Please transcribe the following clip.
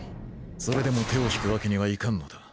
それでも手を引くわけにはいかんのだ。